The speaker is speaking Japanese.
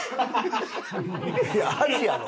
いやアジやろ？